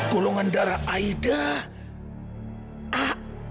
golongan darah haide a